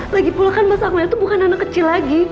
lagipula kan mas akmal itu bukan anak kecil lagi